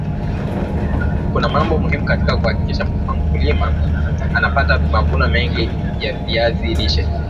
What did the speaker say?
kuna mambo muhimu katika kuhakikisha mmkulima anapata mavuno mengi ya viazi lishe